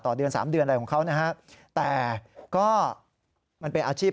เดือน๓เดือนอะไรของเขานะฮะแต่ก็มันเป็นอาชีพ